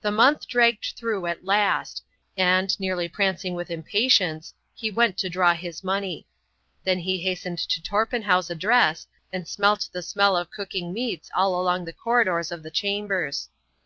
The month dragged through at last, and, nearly prancing with impatience, he went to draw his money. Then he hastened to Torpenhow's address and smelt the smell of cooking meats all along the corridors of the chambers.